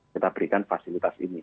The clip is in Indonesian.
kita berikan fasilitas ini